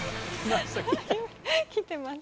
「きてます」。